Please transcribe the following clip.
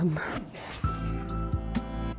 aku tidak tahu